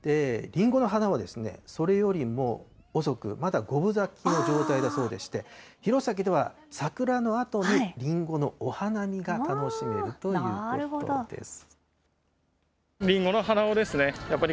りんごの花はですね、それよりも遅く、まだ五分咲きの状態だそうでして、弘前では桜のあとにりんごのお花見が楽しめるということです。